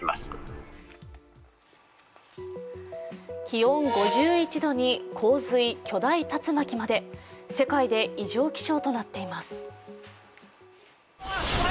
気温５１度に洪水、巨大竜巻まで世界で異常気象となっています。